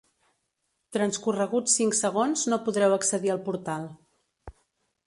Transcorreguts cinc segons no podreu accedir al portal.